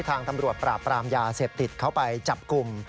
ทางตำรวจปราบปรามยาเสพติดเขาไปจับกลุ่ม